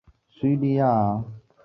东北军内部残杀的悲剧愈演愈烈。